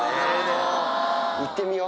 行ってみよ。